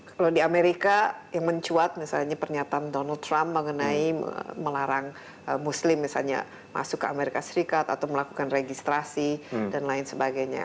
kalau di amerika yang mencuat misalnya pernyataan donald trump mengenai melarang muslim misalnya masuk ke amerika serikat atau melakukan registrasi dan lain sebagainya